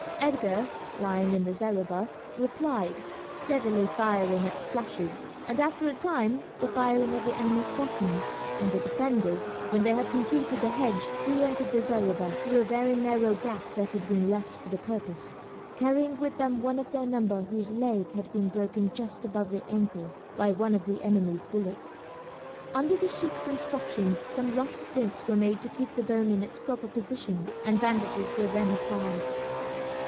Edgar, lying in the zareba, replied, steadily firing at the flashes, and after a time the firing of the enemy slackened, and the defenders, when they had completed the hedge, re entered the zareba through a very narrow gap that had been left for the purpose, carrying with them one of their number whose leg had been broken just above the ankle by one of the enemy's bullets. Under the sheik's instructions some rough splints were made to keep the bone in its proper position, and bandages were then applied.